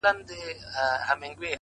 ورباندي وځړوې-